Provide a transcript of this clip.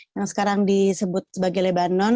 yang sekarang disebut sebagai lebanon